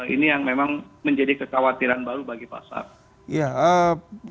ini yang memang menjadi kekhawatiran baru bagi pasar